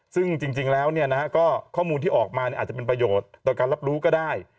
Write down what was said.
ซึ่งจริงแล้วก็ข้อมูลที่ออกมาอาจจะเป็นประโยชน์ต่อการรับรู้ก็ได้